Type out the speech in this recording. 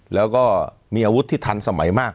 แล้วก็มีอาวุธที่ทันสมัยมาก